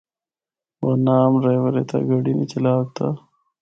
ورنہ عام ڈریور اِتھا گڈی نیں چَلّا ہکدا۔